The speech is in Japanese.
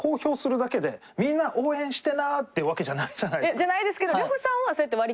じゃないですけど。